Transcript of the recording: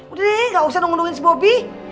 udah deh nggak usah nunggu nungguin si bobi